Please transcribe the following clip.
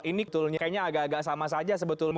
ini kayaknya agak agak sama saja sebetulnya